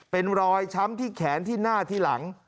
เป็นรอยช้ำที่แขนที่หน้าที่หลัง